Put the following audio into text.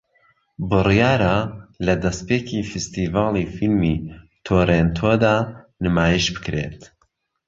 بڕیارە لە دەستپێکی فێستیڤاڵی فیلمی تۆرێنتۆ دا نمایش بکرێت